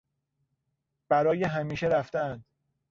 برای همیشه رفتهاند.